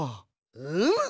うむ。